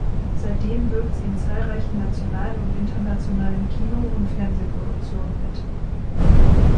Seitdem wirkt sie in zahlreichen nationalen und internationalen Kino- und Fernsehproduktionen mit.